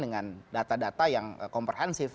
dengan data data yang komprehensif